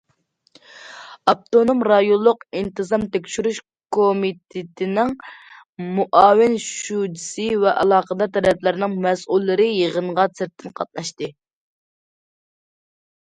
ئاپتونوم رايونلۇق ئىنتىزام تەكشۈرۈش كومىتېتىنىڭ مۇئاۋىن شۇجىسى ۋە ئالاقىدار تەرەپلەرنىڭ مەسئۇللىرى يىغىنغا سىرتتىن قاتناشتى.